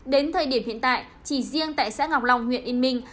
đến thời điểm hiện tại chỉ riêng tại xã ngọc long huyện yên minh